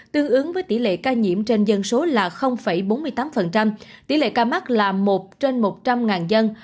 tương ứng với tỷ lệ ca nhiễm trên dân số là bốn mươi tám tỷ lệ ca mắc là một trên một trăm linh dân